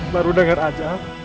baru denger aja